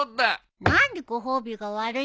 何でご褒美が悪いのさ。